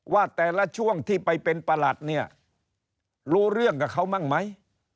ว่าแต่ละช่วงที่ไปเป็นประหลัดเนี่ยรู้เรื่องกับเขาบ้างไหม